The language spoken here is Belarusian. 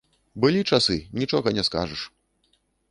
Былі часы, нічога не скажаш.